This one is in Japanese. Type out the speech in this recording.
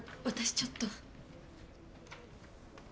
私ちょっと。